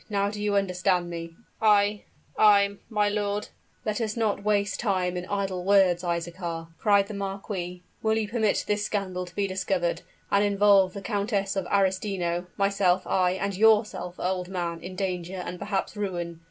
Now do you understand me?" "I I my lord " "Let us not waste time in idle words, Isaachar," cried the marquis. "Will you permit this scandal to be discovered, and involve the Countess of Arestino myself ay, and yourself, old man, in danger, and perhaps ruin?